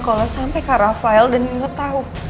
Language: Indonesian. kalau sampai kak rafael dan ingo tau